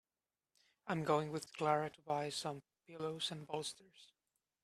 I'm going with Clara to buy some pillows and bolsters.